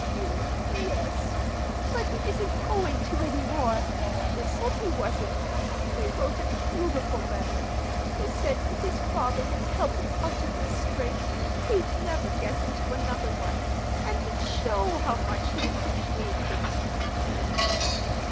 "Y yes. But he isn't going to, any more. He said he wasn't. He wrote a beautiful letter. He said if his father would help him out of this scrape, he'd never get into another one, and he'd show him how much he appreciated it."